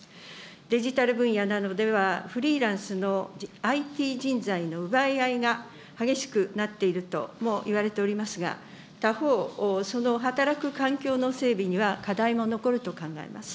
デジタル分野などではフリーランスのＩＴ人材の奪い合いが激しくなっているともいわれておりますが、他方、その働く環境の整備には課題も残ると考えます。